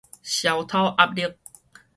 消敨壓力